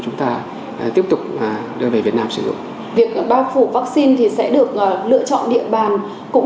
chúng ta tiếp tục đưa về việt nam sử dụng việc bao phủ vaccine thì sẽ được lựa chọn địa bàn cũng